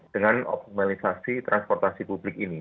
dengan optimalisasi transportasi publik ini